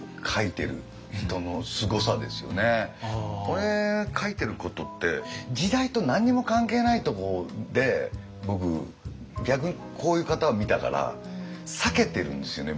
俺書いてることって時代と何にも関係ないとこで僕逆にこういう方を見たから避けてるんですよね